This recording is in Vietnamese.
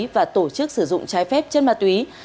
và tổ chức sử dụng trái phép chân ma túy